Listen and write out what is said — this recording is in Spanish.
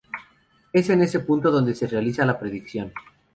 Es en ese punto donde se realiza la predicción.